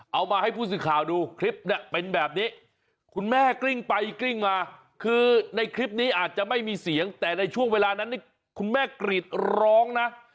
เอามาให้ผู้สื่อข่าวดูคลิปเนี่ยเป็นแบบนี้คุณแม่กลิ้งไปกลิ้งมาคือในคลิปนี้อาจจะไม่มีเสียงแต่ในช่วงเวลานั้นนี่คุณแม่กรีดร้องนะ